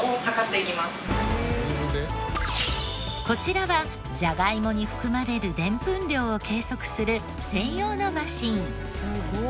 こちらはジャガイモに含まれるデンプン量を計測する専用のマシン。